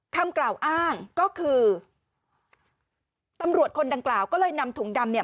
คำกล่าวอ้างก็คือตำรวจคนดังกล่าวก็เลยนำถุงดำเนี่ย